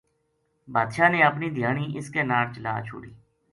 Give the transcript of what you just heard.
بادشاہ نے اپنی دھیانی اس کے ناڑ چلا چھوڈی